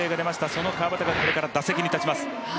その川畑がこれから打席に立ちます。